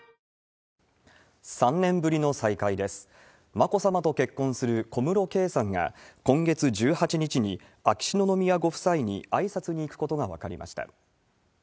眞子さまと結婚する小室圭さんが、今月１８日に、秋篠宮ご夫妻にあいさつに行くことが分かりました。